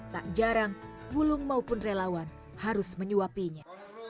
tak jarang wulung maupun relawan harus menyuapinya